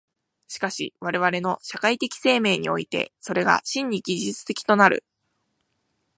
しかし我々の社会的生命において、それが真に技術的となる。